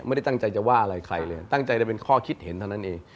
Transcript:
ไม่ได้ตั้งใจจะว่าอะไรใครเลยตั้งใจจะเป็นข้อคิดเห็นเท่านั้นเอง